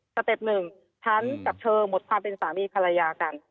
เต็ปหนึ่งฉันกับเธอหมดความเป็นสามีภรรยากัน